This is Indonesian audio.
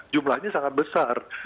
jumlahnya sangat besar